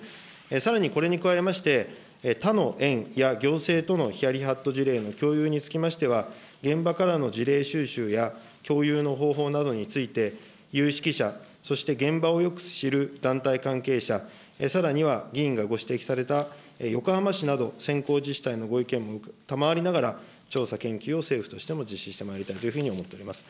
さらにこれに加えまして、他の園や行政とのヒヤリハット事例の共有につきましては、現場からの事例収集や、共有の方法などについて、有識者、そして現場をよく知る団体関係者、さらには、議員がご指摘された横浜市などせんこう自治体のご意見も賜りながら、調査、研究を政府としても実施してまいりたいというふうに思っております。